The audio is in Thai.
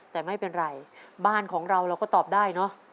แต่ไม่เป็นไรบ้านของเราเราก็ตอบได้เนอะ